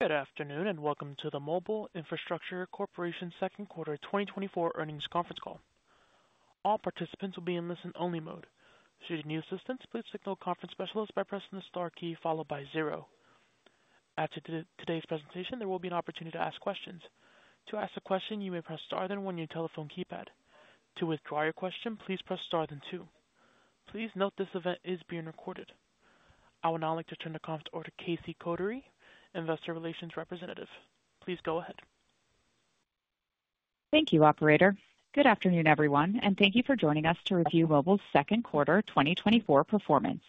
Good afternoon, and welcome to the Mobile Infrastructure Corporation Second Quarter 2024 Earnings Conference Call. All participants will be in listen-only mode. Should you need assistance, please signal a conference specialist by pressing the star key followed by zero. After today's presentation, there will be an opportunity to ask questions. To ask a question, you may press star then one on your telephone keypad. To withdraw your question, please press Star then two. Please note this event is being recorded. I would now like to turn the call over to Casey Kotary, Investor Relations Representative. Please go ahead. Thank you, operator. Good afternoon, everyone, and thank you for joining us to review Mobile's second quarter 2024 performance.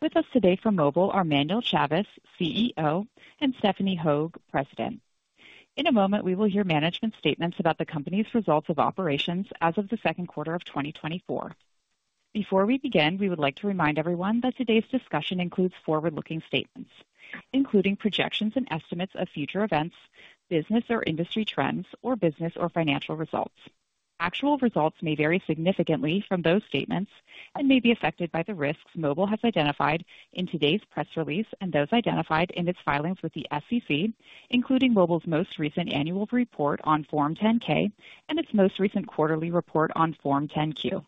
With us today from Mobile are Manuel Chavez, CEO, and Stephanie Hogue, President. In a moment, we will hear management statements about the company's results of operations as of the second quarter of 2024. Before we begin, we would like to remind everyone that today's discussion includes forward-looking statements, including projections and estimates of future events, business or industry trends, or business or financial results. Actual results may vary significantly from those statements and may be affected by the risks Mobile has identified in today's press release and those identified in its filings with the SEC, including Mobile's most recent annual report on Form 10-K and its most recent quarterly report on Form 10-Q.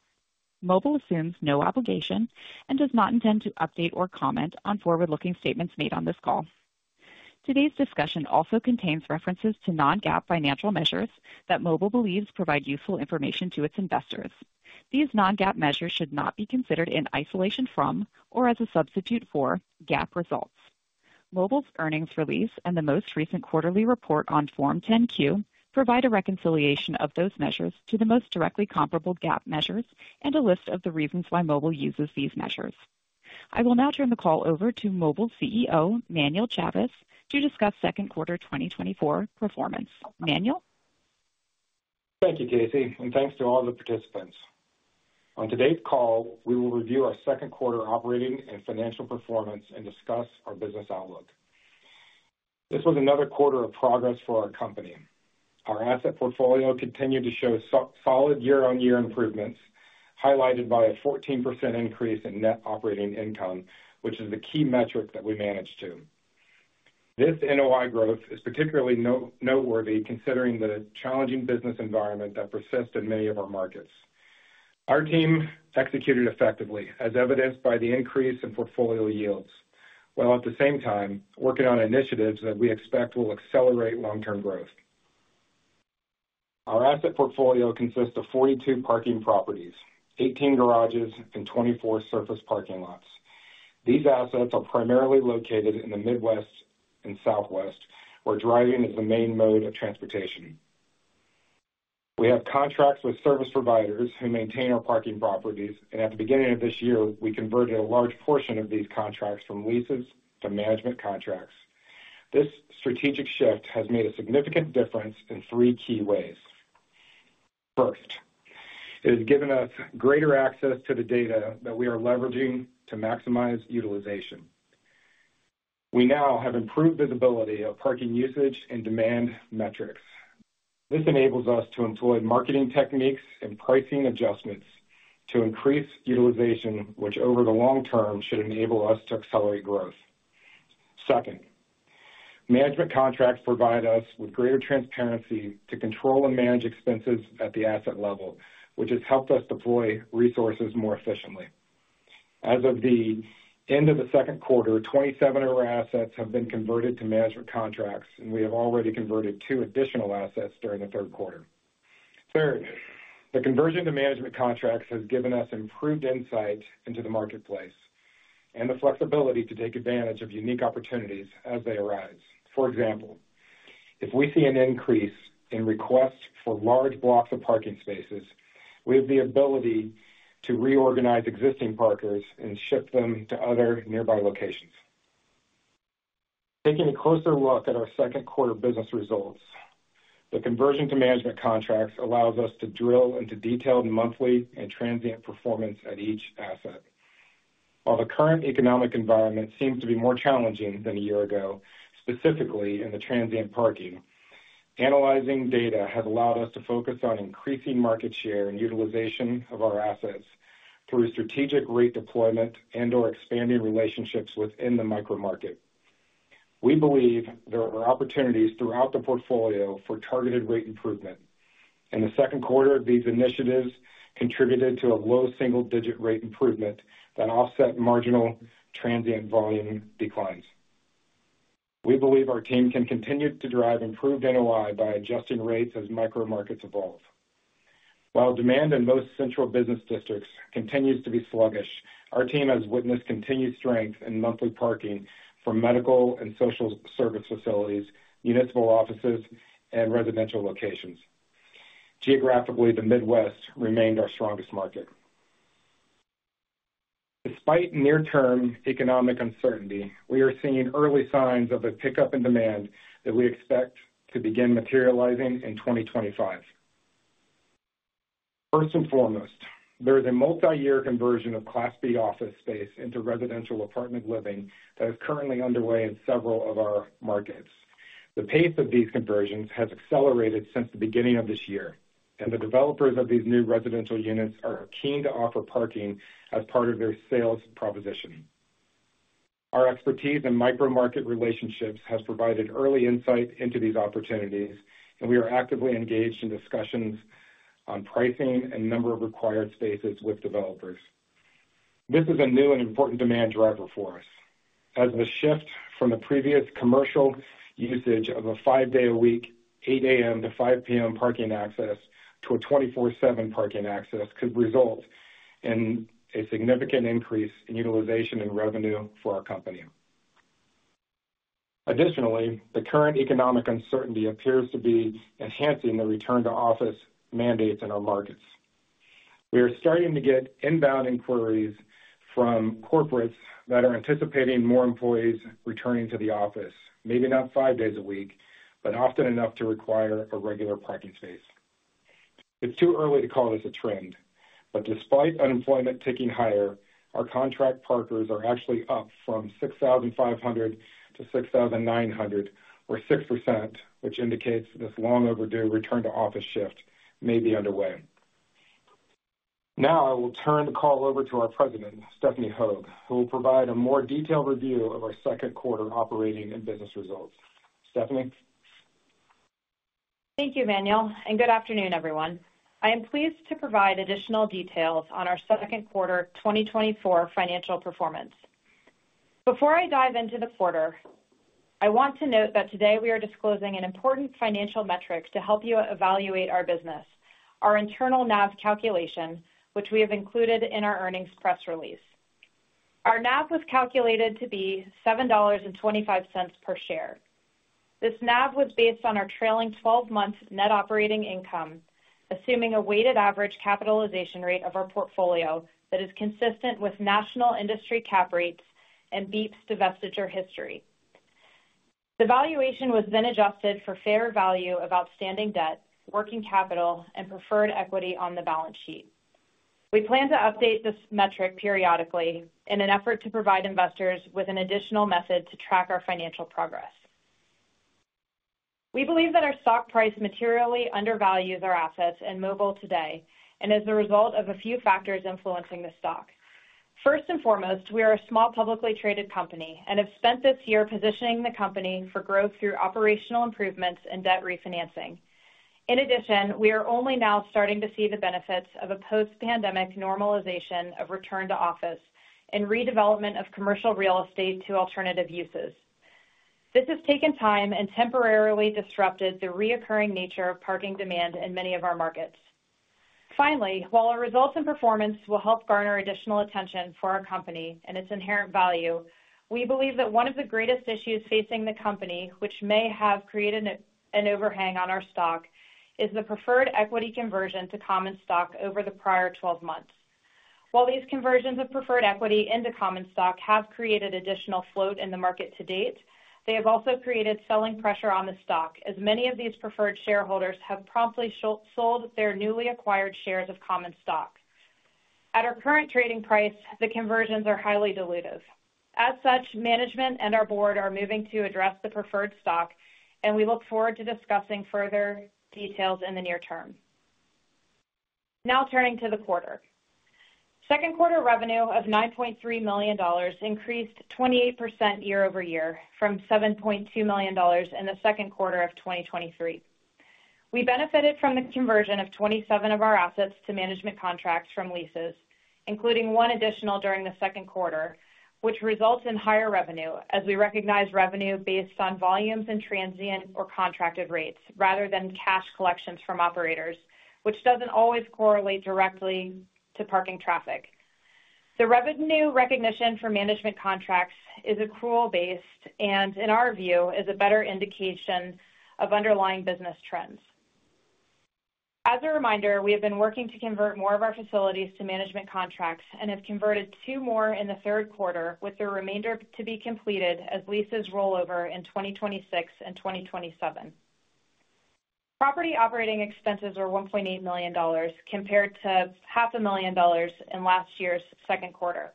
Mobile assumes no obligation and does not intend to update or comment on forward-looking statements made on this call. Today's discussion also contains references to non-GAAP financial measures that Mobile believes provide useful information to its investors. These non-GAAP measures should not be considered in isolation from or as a substitute for GAAP results. Mobile's earnings release and the most recent quarterly report on Form 10-Q provide a reconciliation of those measures to the most directly comparable GAAP measures and a list of the reasons why Mobile uses these measures. I will now turn the call over to Mobile CEO, Manuel Chavez, to discuss second quarter 2024 performance. Manuel? Thank you, Casey, and thanks to all the participants. On today's call, we will review our second quarter operating and financial performance and discuss our business outlook. This was another quarter of progress for our company. Our asset portfolio continued to show solid year-on-year improvements, highlighted by a 14% increase in net operating income, which is the key metric that we manage to. This NOI growth is particularly noteworthy, considering the challenging business environment that persists in many of our markets. Our team executed effectively, as evidenced by the increase in portfolio yields, while at the same time working on initiatives that we expect will accelerate long-term growth. Our asset portfolio consists of 42 parking properties, 18 garages, and 24 surface parking lots. These assets are primarily located in the Midwest and Southwest, where driving is the main mode of transportation. We have contracts with service providers who maintain our parking properties, and at the beginning of this year, we converted a large portion of these contracts from leases to management contracts. This strategic shift has made a significant difference in 3 key ways. First, it has given us greater access to the data that we are leveraging to maximize utilization. We now have improved visibility of parking usage and demand metrics. This enables us to employ marketing techniques and pricing adjustments to increase utilization, which over the long term, should enable us to accelerate growth. Second, management contracts provide us with greater transparency to control and manage expenses at the asset level, which has helped us deploy resources more efficiently. As of the end of the second quarter, 27 of our assets have been converted to management contracts, and we have already converted 2 additional assets during the third quarter. Third, the conversion to management contracts has given us improved insight into the marketplace and the flexibility to take advantage of unique opportunities as they arise. For example, if we see an increase in requests for large blocks of parking spaces, we have the ability to reorganize existing parkers and ship them to other nearby locations. Taking a closer look at our second quarter business results, the conversion to management contracts allows us to drill into detailed monthly and transient performance at each asset. While the current economic environment seems to be more challenging than a year ago, specifically in the transient parking, analyzing data has allowed us to focus on increasing market share and utilization of our assets through strategic rate deployment and/or expanding relationships within the micro market. We believe there are opportunities throughout the portfolio for targeted rate improvement. In the second quarter, these initiatives contributed to a low single-digit rate improvement that offset marginal transient volume declines. We believe our team can continue to drive improved NOI by adjusting rates as micro markets evolve. While demand in most central business districts continues to be sluggish, our team has witnessed continued strength in monthly parking for medical and social service facilities, municipal offices, and residential locations. Geographically, the Midwest remained our strongest market. Despite near-term economic uncertainty, we are seeing early signs of a pickup in demand that we expect to begin materializing in 2025. First and foremost, there is a multi-year conversion of Class B office space into residential apartment living that is currently underway in several of our markets. The pace of these conversions has accelerated since the beginning of this year, and the developers of these new residential units are keen to offer parking as part of their sales proposition. Our expertise and micro-market relationships have provided early insight into these opportunities, and we are actively engaged in discussions on pricing and number of required spaces with developers. This is a new and important demand driver for us, as the shift from the previous commercial usage of a five-day-a-week, 8:00 A.M. to 5:00 P.M. parking access to a 24/7 parking access could result in a significant increase in utilization and revenue for our company. Additionally, the current economic uncertainty appears to be enhancing the return-to-office mandates in our markets. We are starting to get inbound inquiries from corporates that are anticipating more employees returning to the office, maybe not five days a week, but often enough to require a regular parking space. It's too early to call this a trend, but despite unemployment ticking higher, our contract parkers are actually up from 6,500 to 6,900, or 6%, which indicates this long overdue return-to-office shift may be underway. Now I will turn the call over to our President, Stephanie Hogue, who will provide a more detailed review of our second quarter operating and business results. Stephanie? Thank you, Manuel, and good afternoon, everyone. I am pleased to provide additional details on our second quarter 2024 financial performance. Before I dive into the quarter, I want to note that today we are disclosing an important financial metric to help you evaluate our business, our internal NAV calculation, which we have included in our earnings press release. Our NAV was calculated to be $7.25 per share. This NAV was based on our trailing twelve months net operating income, assuming a weighted average capitalization rate of our portfolio that is consistent with national industry cap rates and BEEP's divestiture history. The valuation was then adjusted for fair value of outstanding debt, working capital, and preferred equity on the balance sheet. We plan to update this metric periodically in an effort to provide investors with an additional method to track our financial progress. We believe that our stock price materially undervalues our assets and Mobile today and is the result of a few factors influencing the stock. First and foremost, we are a small publicly traded company and have spent this year positioning the company for growth through operational improvements and debt refinancing. In addition, we are only now starting to see the benefits of a post-pandemic normalization of return to office and redevelopment of commercial real estate to alternative uses. This has taken time and temporarily disrupted the recurring nature of parking demand in many of our markets. Finally, while our results and performance will help garner additional attention for our company and its inherent value, we believe that one of the greatest issues facing the company, which may have created an overhang on our stock, is the preferred equity conversion to common stock over the prior twelve months. While these conversions of preferred equity into common stock have created additional float in the market to date, they have also created selling pressure on the stock, as many of these preferred shareholders have promptly sold their newly acquired shares of common stock. At our current trading price, the conversions are highly dilutive. As such, management and our board are moving to address the preferred stock, and we look forward to discussing further details in the near term. Now turning to the quarter. Second quarter revenue of $9.3 million increased 28% year-over-year from $7.2 million in the second quarter of 2023. We benefited from the conversion of 27 of our assets to management contracts from leases, including one additional during the second quarter, which results in higher revenue as we recognize revenue based on volumes and transient or contracted rates, rather than cash collections from operators, which doesn't always correlate directly to parking traffic. The revenue recognition for management contracts is accrual-based and, in our view, is a better indication of underlying business trends. As a reminder, we have been working to convert more of our facilities to management contracts and have converted two more in the third quarter, with the remainder to be completed as leases roll over in 2026 and 2027. Property operating expenses are $1.8 million, compared to $500,000 in last year's second quarter.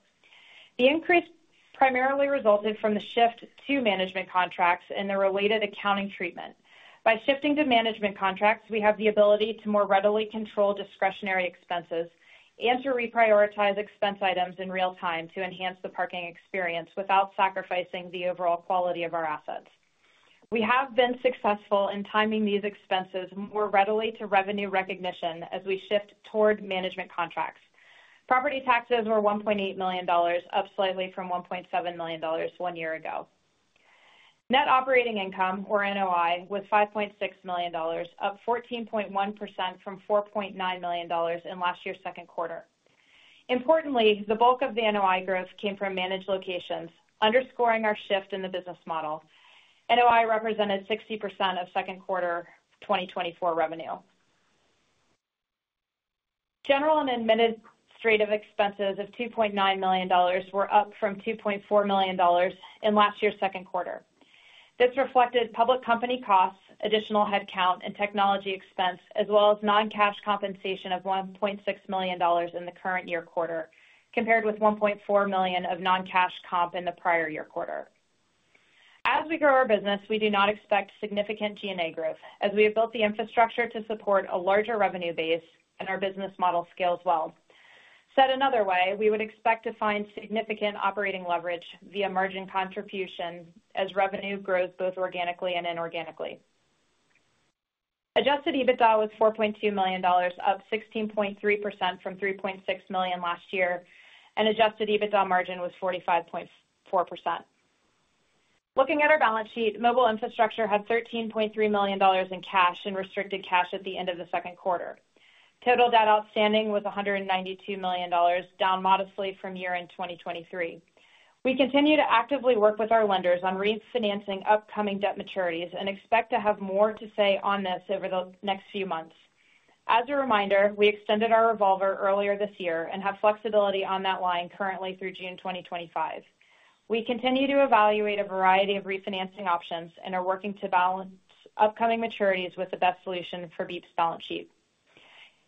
The increase primarily resulted from the shift to management contracts and the related accounting treatment. By shifting to management contracts, we have the ability to more readily control discretionary expenses and to reprioritize expense items in real time to enhance the parking experience without sacrificing the overall quality of our assets. We have been successful in timing these expenses more readily to revenue recognition as we shift toward management contracts. Property taxes were $1.8 million, up slightly from $1.7 million one year ago. Net operating income, or NOI, was $5.6 million, up 14.1% from $4.9 million in last year's second quarter. Importantly, the bulk of the NOI growth came from managed locations, underscoring our shift in the business model. NOI represented 60% of second quarter 2024 revenue. General and Administrative Expenses of $2.9 million were up from $2.4 million in last year's second quarter. This reflected public company costs, additional head count, and technology expense, as well as non-cash compensation of $1.6 million in the current year quarter, compared with $1.4 million of non-cash comp in the prior year quarter. As we grow our business, we do not expect significant G&A growth, as we have built the infrastructure to support a larger revenue base and our business model scales well. Said another way, we would expect to find significant operating leverage via margin contribution as revenue grows both organically and inorganically. Adjusted EBITDA was $4.2 million, up 16.3% from $3.6 million last year, and adjusted EBITDA margin was 45.4%. Looking at our balance sheet, Mobile Infrastructure had $13.3 million in cash and restricted cash at the end of the second quarter. Total debt outstanding was $192 million, down modestly from year-end 2023. We continue to actively work with our lenders on refinancing upcoming debt maturities and expect to have more to say on this over the next few months. As a reminder, we extended our revolver earlier this year and have flexibility on that line currently through June 2025. We continue to evaluate a variety of refinancing options and are working to balance upcoming maturities with the best solution for BEEP's balance sheet.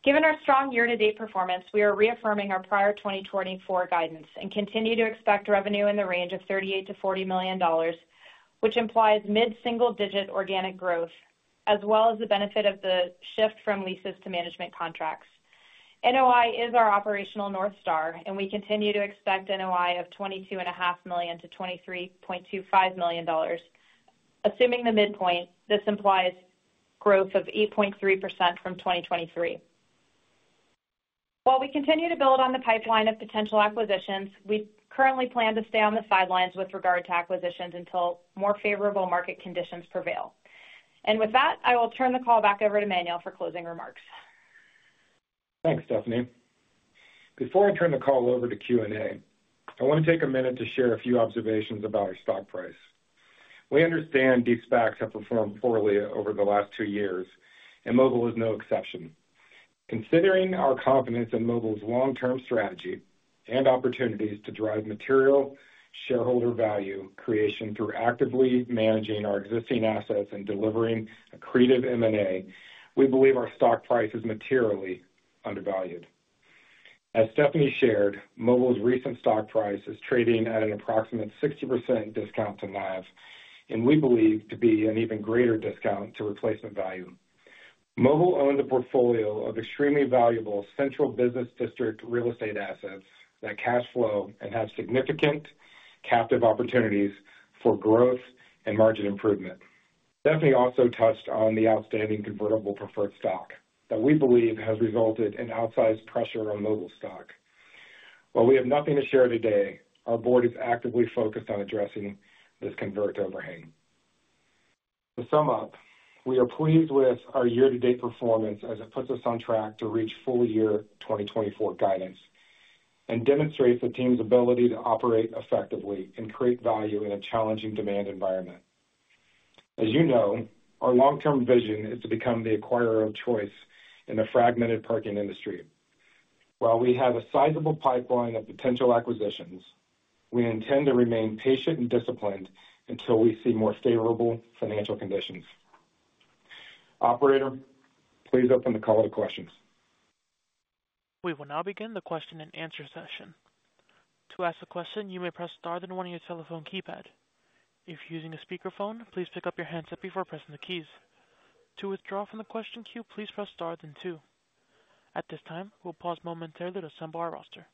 Given our strong year-to-date performance, we are reaffirming our prior 2024 guidance and continue to expect revenue in the range of $38 to $40 million, which implies mid-single digit organic growth, as well as the benefit of the shift from leases to management contracts. NOI is our operational North Star, and we continue to expect NOI of $22.5 million to $23.25 million. Assuming the midpoint, this implies growth of 8.3% from 2023. While we continue to build on the pipeline of potential acquisitions, we currently plan to stay on the sidelines with regard to acquisitions until more favorable market conditions prevail. With that, I will turn the call back over to Manuel for closing remarks. Thanks, Stephanie. Before I turn the call over to Q&A, I want to take a minute to share a few observations about our stock price. We understand these SPACs have performed poorly over the last two years, and Mobile is no exception. Considering our confidence in Mobile's long-term strategy and opportunities to drive material shareholder value creation through actively managing our existing assets and delivering accretive M&A, we believe our stock price is materially undervalued. As Stephanie shared, Mobile's recent stock price is trading at an approximate 60% discount to NAV, and we believe to be an even greater discount to replacement value. Mobile owns a portfolio of extremely valuable central business district real estate assets that cash flow and have significant captive opportunities for growth and margin improvement. Stephanie also touched on the outstanding convertible preferred stock that we believe has resulted in outsized pressure on Mobile stock. While we have nothing to share today, our board is actively focused on addressing this convert overhang. To sum up, we are pleased with our year-to-date performance as it puts us on track to reach full-year 2024 guidance and demonstrates the team's ability to operate effectively and create value in a challenging demand environment. As you know, our long-term vision is to become the acquirer of choice in the fragmented parking industry. While we have a sizable pipeline of potential acquisitions, we intend to remain patient and disciplined until we see more favorable financial conditions. Operator, please open the call to questions. We will now begin the question-and-answer session. To ask a question, you may press star, then one on your telephone keypad. If you're using a speakerphone, please pick up your handset before pressing the keys. To withdraw from the question queue, please press star, then two. At this time, we'll pause momentarily to assemble our roster.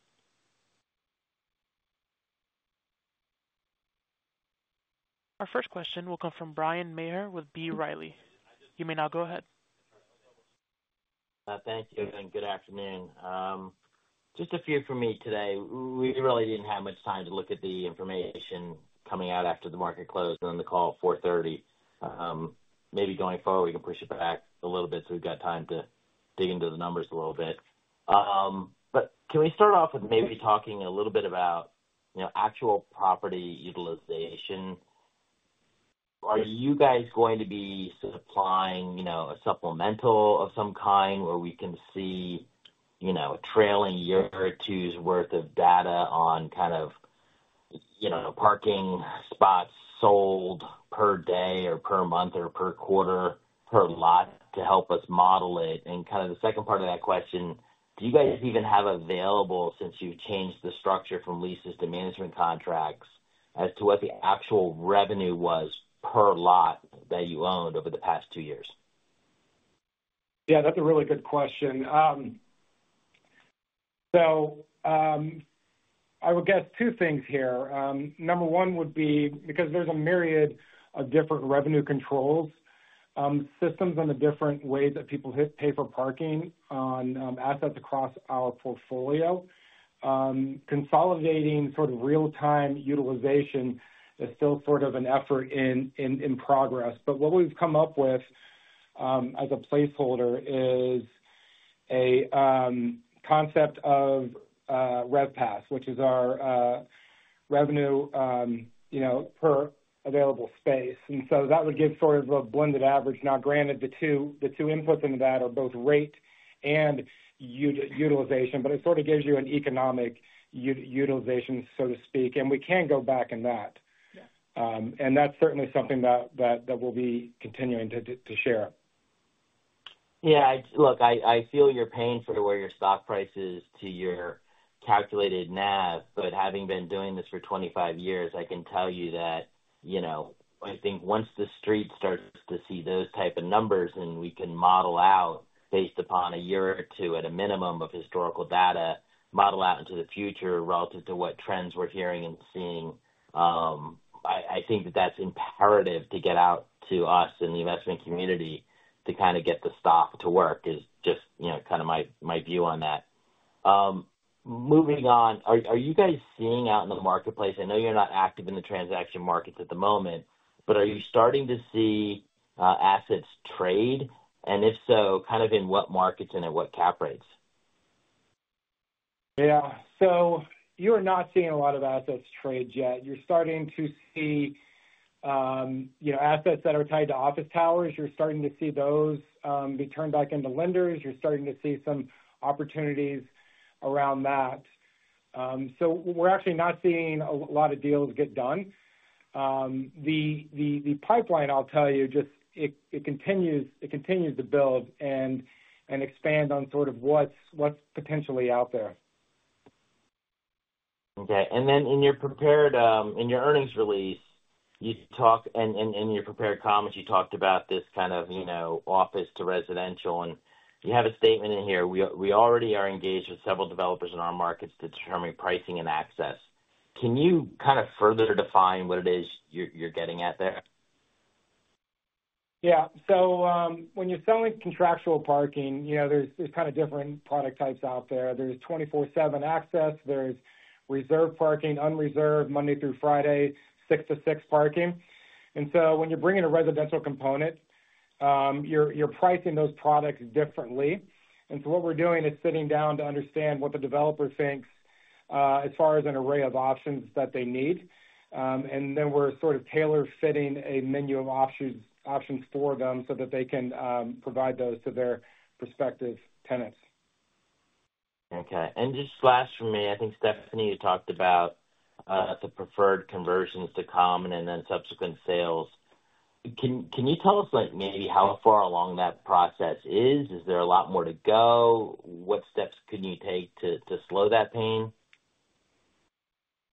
Our first question will come from Bryan Maher with B. Riley. You may now go ahead. Thank you, and good afternoon. Just a few from me today. We really didn't have much time to look at the information coming out after the market closed on the call at 4:30 P.M. Maybe going forward, we can push it back a little bit, so we've got time to dig into the numbers a little bit. But can we start off with maybe talking a little bit about, you know, actual property utilization? Are you guys going to be supplying, you know, a supplemental of some kind where we can see, you know, a trailing year or two's worth of data on kind of, you know, parking spots sold per day or per month or per quarter per lot to help us model it? Kind of the second part of that question, do you guys even have available, since you've changed the structure from leases to management contracts, as to what the actual revenue was per lot that you owned over the past two years? Yeah, that's a really good question. So, I would guess two things here. Number one would be, because there's a myriad of different revenue controls, systems and the different ways that people hit pay for parking on, assets across our portfolio, consolidating sort of real-time utilization is still sort of an effort in progress. But what we've come up with, as a placeholder is a, concept of, RevPAS, which is our, revenue, you know, per available space, and so that would give sort of a blended average. Now, granted, the two inputs into that are both rate and utilization, but it sort of gives you an economic utilization, so to speak, and we can go back in that. And that's certainly something that we'll be continuing to share. Yeah, I look, I feel your pain for where your stock price is to your calculated NAV, but having been doing this for 25 years, I can tell you that, you know, I think once the street starts to see those type of numbers, and we can model out based upon a year or two at a minimum of historical data, model out into the future relative to what trends we're hearing and seeing, I think that that's imperative to get out to us in the investment community to kind of get the stock to work, is just, you know, kind of my view on that. Moving on, are you guys seeing out in the marketplace? I know you're not active in the transaction markets at the moment, but are you starting to see assets trade? If so, kind of in what markets and at what cap rates? Yeah. So you are not seeing a lot of assets trade yet. You're starting to see, you know, assets that are tied to office towers. You're starting to see those be turned back into lenders. You're starting to see some opportunities around that. So we're actually not seeing a lot of deals get done. The pipeline, I'll tell you, just, it continues to build and expand on sort of what's potentially out there. Okay. And then in your prepared, in your earnings release, you talked and in your prepared comments, you talked about this kind of, you know, office to residential, and you have a statement in here. "We already are engaged with several developers in our markets to determine pricing and access." Can you kind of further define what it is you're getting at there? Yeah. So, when you're selling contractual parking, you know, there's kind of different product types out there. There's 24/7 access, there's reserve parking, unreserved, Monday through Friday, 6 to 6 parking. And so when you're bringing a residential component, you're pricing those products differently. And so what we're doing is sitting down to understand what the developer thinks, as far as an array of options that they need. And then we're sort of tailor-fitting a menu of options for them so that they can provide those to their respective tenants. Okay. And just last from me, I think, Stephanie, you talked about the preferred conversions to common and then subsequent sales. Can you tell us, like, maybe how far along that process is? Is there a lot more to go? What steps can you take to slow that pain?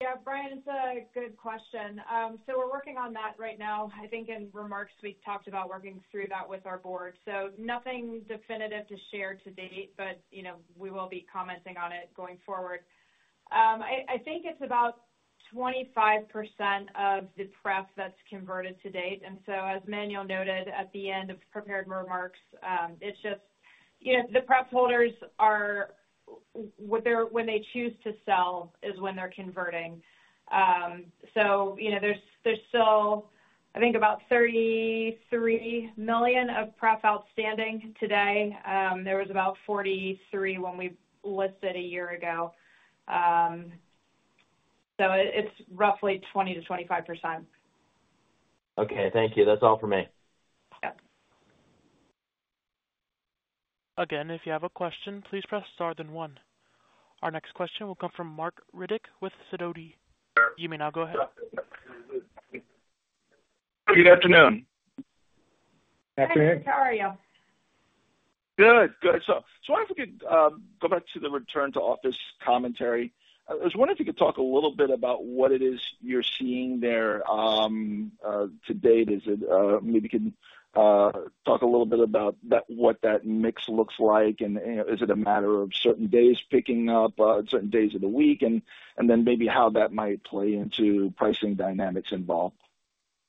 Yeah, Bryan, it's a good question. So we're working on that right now. I think in remarks, we talked about working through that with our board. So nothing definitive to share to date, but, you know, we will be commenting on it going forward. I think it's about 25% of the pref that's converted to date. And so, as Manuel noted at the end of prepared remarks, it's just, you know, the pref holders are when they choose to sell is when they're converting. So, you know, there's still, I think, about $33 million of pref outstanding today. There was about $43 million when we listed a year ago. So it, it's roughly 20%-25%. Okay, thank you. That's all for me. Yeah. Again, if you have a question, please press star then one. Our next question will come from Marc Riddick with Sidoti. You may now go ahead. Good afternoon. Afternoon. How are you? Good. Good. So I wonder if we could go back to the return to office commentary. I was wondering if you could talk a little bit about what it is you're seeing there to date. Is it maybe you can talk a little bit about that, what that mix looks like, and is it a matter of certain days picking up certain days of the week, and then maybe how that might play into pricing dynamics involved?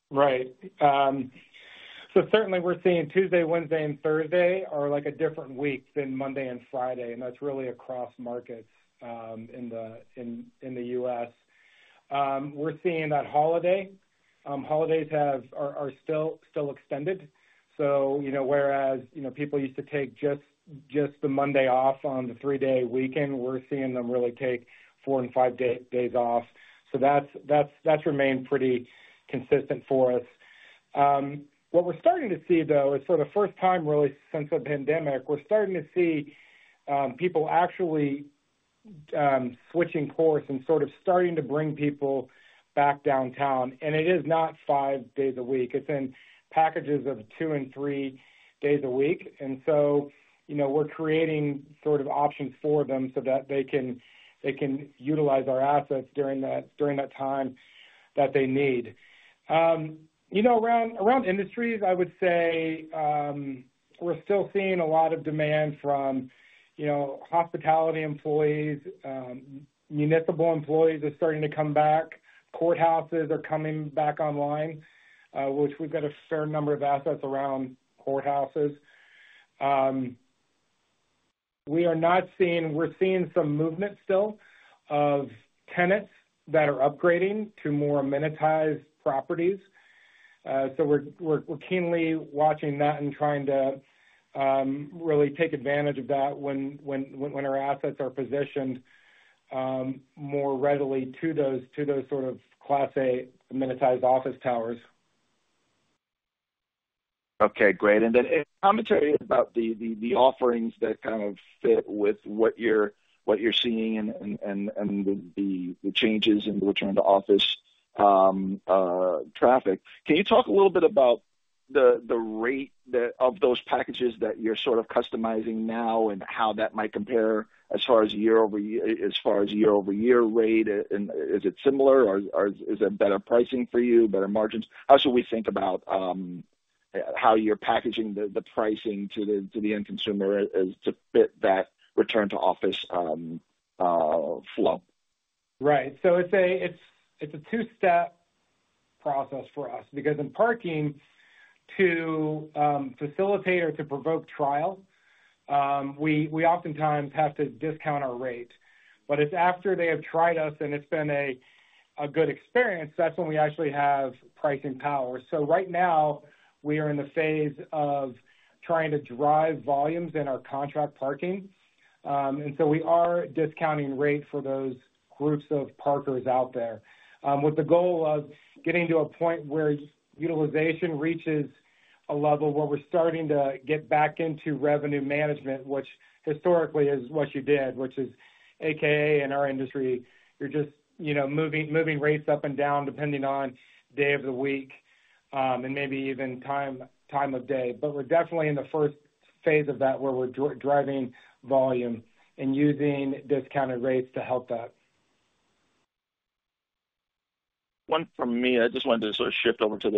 Right. So certainly we're seeing Tuesday, Wednesday and Thursday are like a different week than Monday and Friday, and that's really across markets, in the U.S. We're seeing that holidays are still extended. So, you know, whereas, you know, people used to take just the Monday off on the three-day weekend, we're seeing them really take four and five days off. So that's remained pretty consistent for us. What we're starting to see, though, is for the first time, really, since the pandemic, we're starting to see people actually switching course and sort of starting to bring people back downtown. And it is not five days a week. It's in packages of two and three days a week. And so, you know, we're creating sort of options for them so that they can utilize our assets during that time that they need. You know, around industries, I would say, we're still seeing a lot of demand from, you know, hospitality employees. Municipal employees are starting to come back. Courthouses are coming back online, which we've got a fair number of assets around courthouses. We're seeing some movement still of tenants that are upgrading to more amenitized properties. So we're keenly watching that and trying to really take advantage of that when our assets are positioned more readily to those sort of Class A amenitized office towers. Okay, great. And then a commentary about the offerings that kind of fit with what you're seeing and the changes in the return-to-office traffic. Can you talk a little bit about the rate of those packages that you're sort of customizing now and how that might compare as far as year-over-year rate? And is it similar or is it better pricing for you, better margins? How should we think about how you're packaging the pricing to the end consumer as to fit that return-to-office flow? Right. So it's a two-step process for us because in parking to facilitate or to provoke trial, we oftentimes have to discount our rate. But it's after they have tried us and it's been a good experience, that's when we actually have pricing power. So right now, we are in the phase of trying to drive volumes in our contract parking. And so we are discounting rates for those groups of parkers out there, with the goal of getting to a point where utilization reaches a level where we're starting to get back into revenue management, which historically is what you did, which is AKA in our industry, you're just, you know, moving rates up and down, depending on day of the week, and maybe even time of day. But we're definitely in the first phase of that, where we're driving volume and using discounted rates to help that. One from me. I just wanted to sort of shift over to a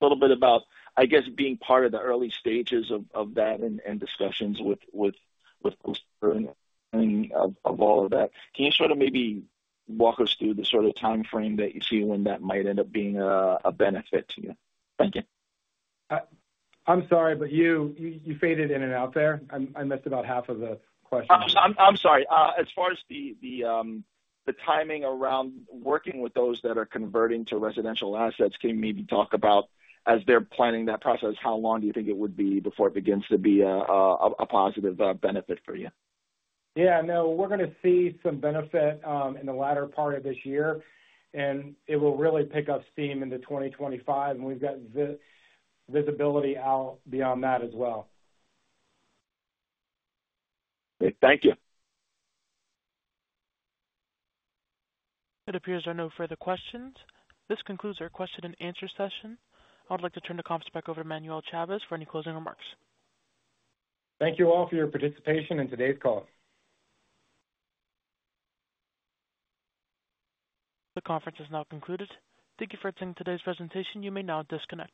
little bit about, I guess, being part of the early stages of that and discussions with all of that. Can you sort of maybe walk us through the sort of timeframe that you see when that might end up being a benefit to you? Thank you. I'm sorry, but you faded in and out there. I missed about half of the question. I'm sorry. As far as the timing around working with those that are converting to residential assets, can you maybe talk about, as they're planning that process, how long do you think it would be before it begins to be a positive benefit for you? Yeah, no, we're gonna see some benefit in the latter part of this year, and it will really pick up steam into 2025, and we've got visibility out beyond that as well. Thank you. It appears there are no further questions. This concludes our question and answer session. I'd like to turn the conference back over to Manuel Chavez for any closing remarks. Thank you all for your participation in today's call. The conference is now concluded. Thank you for attending today's presentation. You may now disconnect.